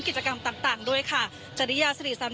ก็จะมีการพิพากษ์ก่อนก็มีเอ็กซ์สุข่อน